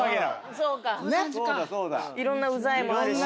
いろんな「ウザい」もあるし。